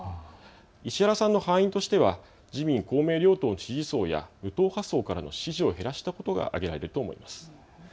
石原さんの敗因としては自民公明両党の支持層や無党派層からの支持を減らしたことが挙げられると思います。